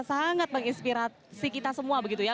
sangat menginspirasi kita semua begitu ya